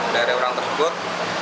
dari orang tersebut